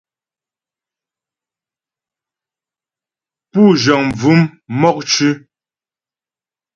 Pú jəŋ bvʉ̂m mɔkcʉ̌.